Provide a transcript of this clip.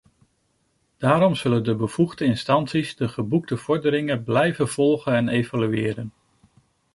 Daarom zullen de bevoegde instanties de geboekte vorderingen blijven volgen en evalueren.